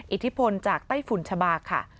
อิทธิพลจากไต้ฝุ่นชะบาค่ะ